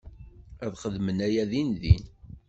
Ad xedmen aya dindin.